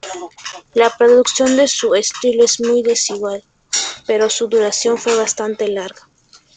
La producción de su estilo es muy desigual, pero su duración fue bastante larga.